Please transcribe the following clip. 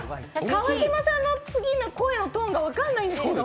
川島さんの次の声のトーンが分からないんですけど。